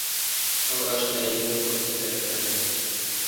ئەو ئاشنایی لەگەڵ کۆمپیوتەرەکان ھەیە.